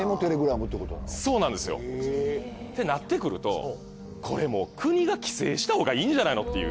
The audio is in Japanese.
そうなんですよ。ってなってくるとこれもう国が規制したほうがいいんじゃないのっていう。